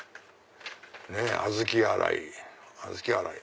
小豆洗い。